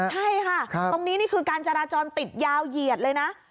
ใช่ค่ะตรงนี้นี่คือการจราจรติดยาวเหยียดเลยนะ